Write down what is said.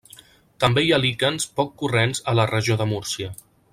També hi ha líquens poc corrents a la Regió de Múrcia.